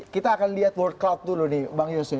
kita akan lihat word cloud dulu nih bang yose